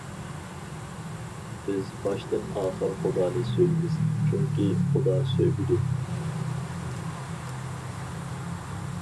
بىز باشتىن ئاخىر خۇدانى سۆيىمىز، چۈنكى، خۇدا سۆيگۈدۇر.